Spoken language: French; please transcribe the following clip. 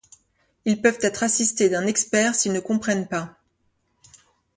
Ils peuvent être assistés d’un expert s’ils ne comprennent pas.